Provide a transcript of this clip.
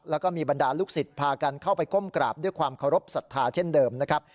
แล้วก็มีบรรดาลูกศิษย์พากันเข้าไปก้มกราบด้วยความเคารพสัทธาเช่นเดิมนะครับ